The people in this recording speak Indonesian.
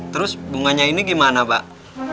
terus bunganya ini gimana pak